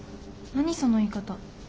何その言い方。